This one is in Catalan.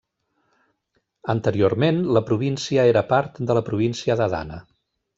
Anteriorment, la província era part de la província d'Adana.